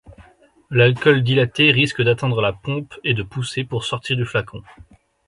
L'alcool dilaté risque d'atteindre la pompe et de pousser pour sortir du flacon.